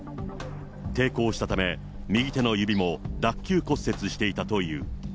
抵抗したため、右手の指も脱きゅう骨折していたという。